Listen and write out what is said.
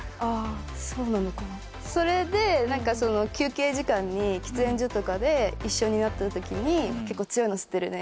それで何かその休憩時間に喫煙所とかで一緒になったときに結構強いの吸ってんの？